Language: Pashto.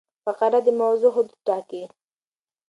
فقره د موضوع حدود ټاکي.